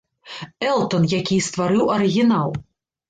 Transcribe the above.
Элтан, які і стварыў арыгінал.